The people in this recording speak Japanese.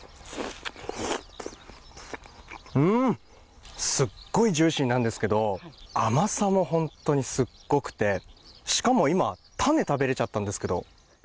うん、すっごいジューシーなんですけど甘さも本当にすっごくて、しかも今、種、食べれちゃったんですけど。